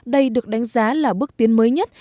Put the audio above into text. đây được đánh giá là bước tiến mới nhất